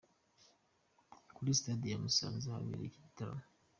Kuri Stade ya Musanze ahabereye iki gitaramo.